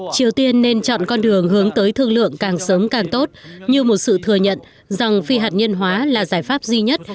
triều tiên nên chọn con đường hướng tới thương lượng càng sớm càng tốt như một sự thừa nhận rằng phi hạt nhân hóa là giải pháp duy nhất